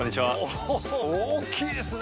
おー大きいですね！